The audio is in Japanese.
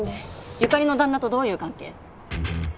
由香里の旦那とどういう関係？